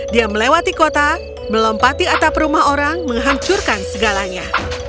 dia melewati kota melompati atap rumah orang menghancurkan segalanya